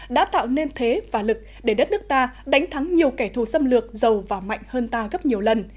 đã tạo nên thế và lực để đất nước ta đánh thắng nhiều kẻ thù xâm lược giàu và mạnh hơn ta gấp nhiều lần